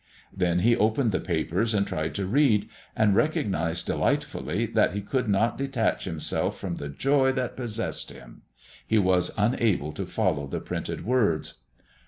Then he opened the papers and tried to read, and recognized delightfully that he could not detach himself from the joy that possessed him. He was unable to follow the printed words.